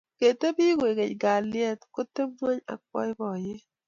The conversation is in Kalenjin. Ngotebi koekeny kalyet koteb ngwony ak boiboiyet